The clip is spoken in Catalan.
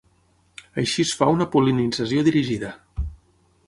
Així es fa una pol·linització dirigida.